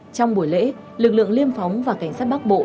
trong buổi lễ lực lượng liêm phóng và cảnh sát bắc bộ